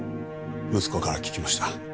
息子から聞きました